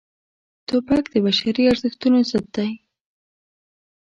توپک د بشري ارزښتونو ضد دی.